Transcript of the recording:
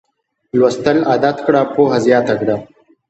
لوستل عادت کړه پوهه زیاته کړه